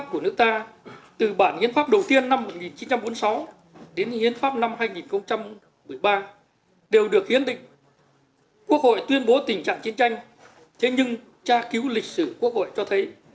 quốc hội tuyên bố tình trạng chiến tranh thế nhưng tra cứu lịch sử quốc hội cho thấy